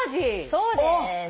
そうです。